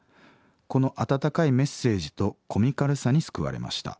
この温かいメッセージとコミカルさに救われました。